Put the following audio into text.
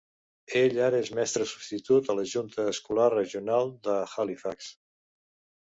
Ell ara és mestre substitut a la Junta Escolar Regional de Halifax.